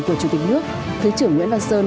của chủ tịch nước thứ trưởng nguyễn văn sơn